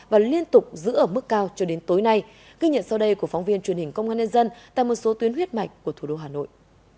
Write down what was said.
và liên tục giữ ở mức cao cho đến tối nay ghi nhận sau đây của phóng viên truyền hình công an nhân dân tại một số tuyến huyết mạch của thủ đô hà nội